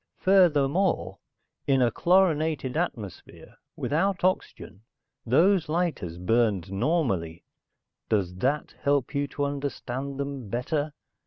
Furthermore, in a chlorinated atmosphere, without oxygen, those lighters burned normally. Does that help you to understand them better?"